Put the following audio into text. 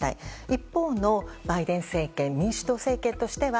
一方のバイデン政権民主党政権としては